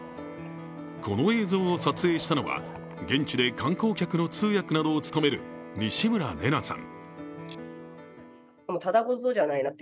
この映像を撮影したのは現地で観光客の通訳などを務める西村玲奈さん。